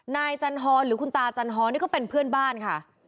จันทรหรือคุณตาจันทรนี่ก็เป็นเพื่อนบ้านค่ะ